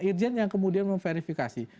irjen yang kemudian memverifikasi